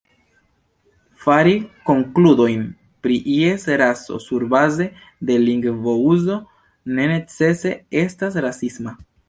Fari konkludojn pri ies raso surbaze de lingvouzo ne necese estas rasisma.